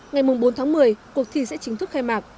ngày bốn tháng một mươi cuộc thi sẽ chính thức khai mạc